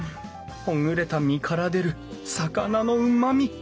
ほぐれた身から出る魚のうまみ！